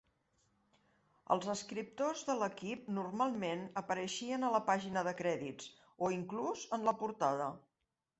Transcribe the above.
Els escriptors de l'"equip" normalment apareixien a la pàgina de crèdits, o inclús en la portada.